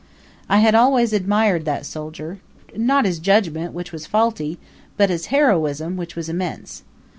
I had always admired that soldier not his judgment, which was faulty, but his heroism, which was immense.